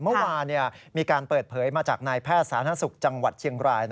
เมื่อวานมีการเปิดเผยมาจากนายแพทย์สาธารณสุขจังหวัดเชียงราย